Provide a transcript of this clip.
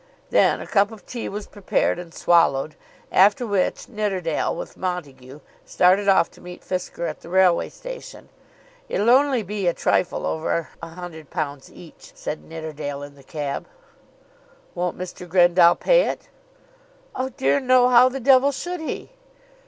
Then a cup of tea was prepared and swallowed; after which Nidderdale, with Montague, started off to meet Fisker at the railway station. "It'll only be a trifle over £100 each," said Nidderdale, in the cab. "Won't Mr. Grendall pay it?" "Oh, dear no. How the devil should he?"